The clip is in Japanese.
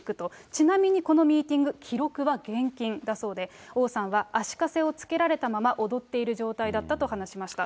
ちなみにこのミーティング、記録は厳禁だそうで、王さんは足かせをつけられたまま踊っている状態だったと話しました。